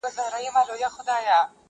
ژوند دلته بند کتاب دی چا یې مخ کتلی نه دی,